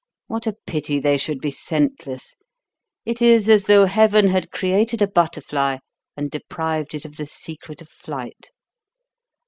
What a pity they should be scentless. It is as though Heaven had created a butterfly and deprived it of the secret of flight.